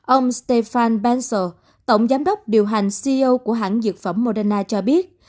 ông stefan bensil tổng giám đốc điều hành ceo của hãng dược phẩm moderna cho biết